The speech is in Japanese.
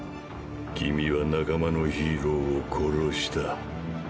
君は仲間のヒーローを殺した。